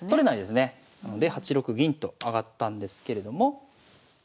なので８六銀と上がったんですけれども。